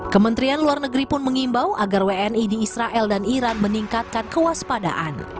kementerian luar negeri pun mengimbau agar wni di israel dan iran meningkatkan kewaspadaan